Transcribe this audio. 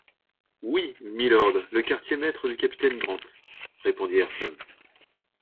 Oui, mylord, le quartier-maître du capitaine Grant, répondit Ayrton.